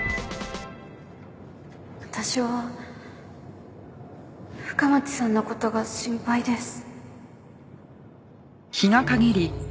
私は深町さんの事が心配です。